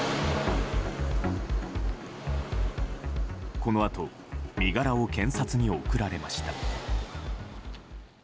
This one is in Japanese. このあと身柄を検察に送られました。